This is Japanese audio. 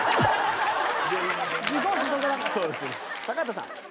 高畑さん。